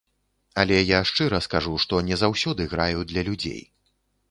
Але я шчыра скажу, што не заўсёды граю для людзей.